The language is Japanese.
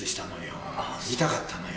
痛かったのよ。